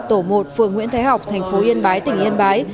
tổ một phường nguyễn thái học thành phố yên bái tỉnh yên bái